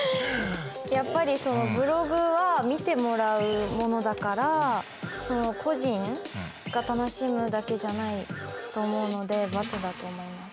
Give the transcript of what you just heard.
やっぱりブログは見てもらうものだから個人が楽しむだけじゃないと思うので×だと思います。